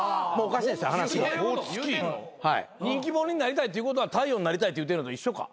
人気者になりたいって言うことは太陽になりたいって言うてるのと一緒か。